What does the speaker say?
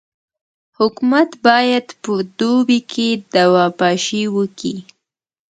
حکومت باید په دوبي کي دوا پاشي وکي.